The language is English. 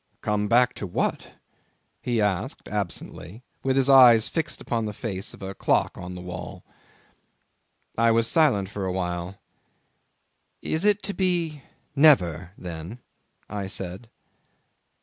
'"Come back to what?" he asked absently, with his eyes fixed upon the face of a clock on the wall. 'I was silent for a while. "Is it to be never, then?" I said.